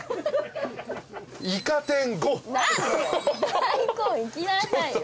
大根いきなさいよ。